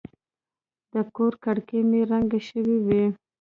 د کور کړکۍ مې رنګه شوې وې.